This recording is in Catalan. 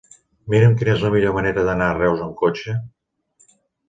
Mira'm quina és la millor manera d'anar a Reus amb cotxe.